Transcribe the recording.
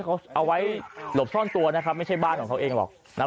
เขาเอาไว้หลบซ่อนตัวนะครับไม่ใช่บ้านของเขาเองหรอกนะ